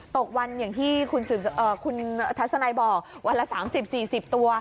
ตกวันอย่างที่คุณเอ่อคุณทัศนายบอกวันละสามสิบสี่สิบตัว